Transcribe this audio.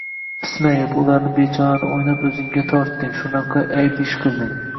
pismayib, ularga bechorani o‘ynab o‘zingga tortding, shunaqa, ayb ish qilding.